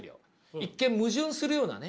一見矛盾するようなね